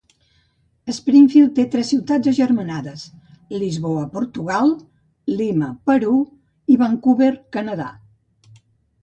Springfield té tres ciutats agermanades, Lisboa, Portugal, Lima, Perú, i Vancouver, Canadà.